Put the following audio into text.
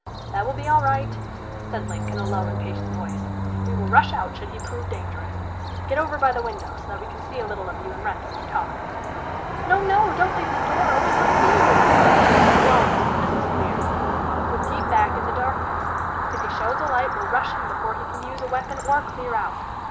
"That will be all right," said Link in a low, impatient voice. "We will rush out should he prove dangerous. Get over by the window, so that we can see a little of you and Wrent when you talk." "No! no! Don't leave the door open! He'll see you!" "He won't, Mrs. Clear. We'll keep back in the darkness. If he shows a light, we'll rush him before he can use a weapon or clear out.